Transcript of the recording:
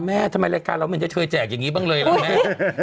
แม่ทำไมรายการเราไม่เห็นจะเคยแจกอย่างนี้บ้างเลยล่ะแม่